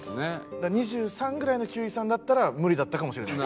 だから２３ぐらいの休井さんだったら無理だったかもしれないです。